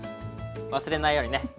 忘れないようにね！